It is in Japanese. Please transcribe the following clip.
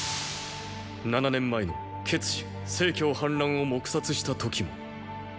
七年前の竭氏・成反乱を黙殺した時も。